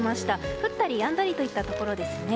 降ったりやんだりといったところですね。